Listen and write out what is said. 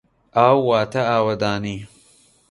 ئاو واتە ئاوەدانی.